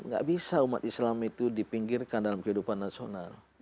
gak bisa umat islam itu dipinggirkan dalam kehidupan nasional